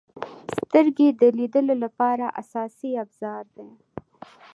• سترګې د لیدلو لپاره اساسي ابزار دي.